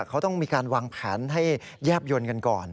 เขาต้องมีการวางแผนให้แยบยนต์กันก่อน